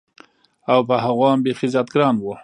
او په هغو هم بېخي زیات ګران و.